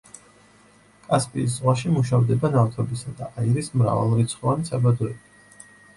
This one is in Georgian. კასპიის ზღვაში მუშავდება ნავთობისა და აირის მრავალრიცხოვანი საბადოები.